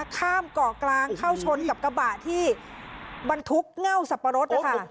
ข้ามเกาะกลางเข้าชนกับกระบะที่บรรทุกเง่าสับปะรดนะคะ